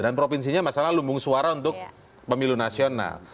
dan provinsinya masalah lumbung suara untuk pemilu nasional